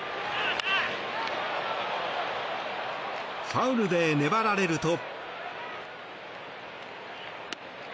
ファウルで粘られると。